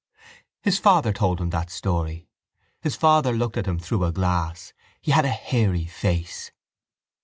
His father told him that story: his father looked at him through a glass: he had a hairy face.